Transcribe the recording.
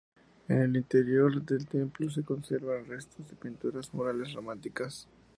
En el interior del templo se conservan restos de pinturas murales románicas.